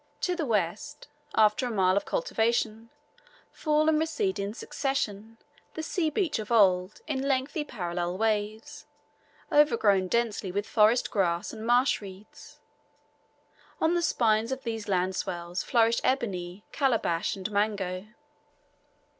To the west, after a mile of cultivation, fall and recede in succession the sea beach of old in lengthy parallel waves, overgrown densely with forest grass and marsh reeds. On the spines of these land swells flourish ebony, calabash, and mango.